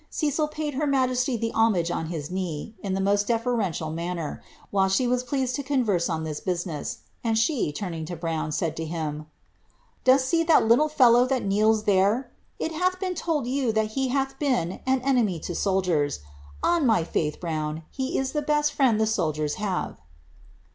Cecil paid her majesty the homage a knee, in the most deferential manner, while she was pleased to erse on this business; and she, turning to Brown, said to him, St see that little fellow that kneels there ? It hath been told you tie hath been an enemy to soldiers. On my faith, Brown, he is the Griend the soldiers have."